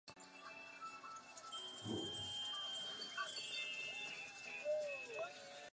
此站往新设洞方向的月台与君子车辆基地设有通道连结。